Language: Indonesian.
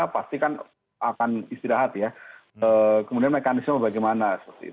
pasti kan akan istirahat ya kemudian mekanisme bagaimana